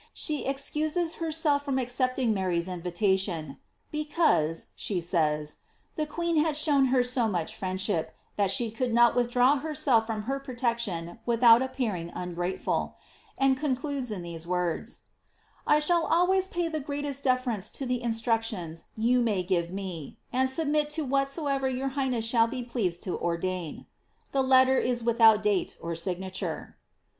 She excuses herself from accepting Mary's invitation, because," she says, the queen had shown her so much friendship, that she could not withdraw herself from her protection vithoot appearing ungrateful ;'' and concludes in these words :—^ I shall always pay the greatest deference to the instructions you may give me^ and submit to whatsoever your highness shall be pleased to ordain.'^ The letter is without date or signature.